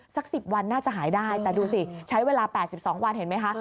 สัก๑๐วันน่าจะหายได้แต่ดูสิใช้เวลา๘๒วันเห็นไหมคะ